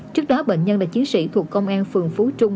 trước đó bệnh nhân là chiến sĩ thuộc công an phường phú trung